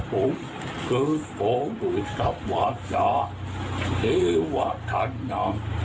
กระโฮมคือโคหมูสับวาระตาเดวาทันนาม